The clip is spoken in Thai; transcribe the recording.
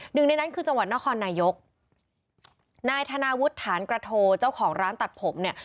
หนึ่งในนั้นคือจังหวัดนครนายกนายธนาวุฒิฐานกระโทเจ้าของร้านตัดผมเนี่ย